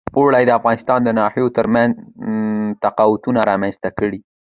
اوړي د افغانستان د ناحیو ترمنځ تفاوتونه رامنځ ته کوي.